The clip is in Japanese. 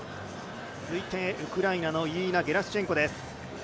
続いて、ウクライナイリナ・ゲラシュチェンコです。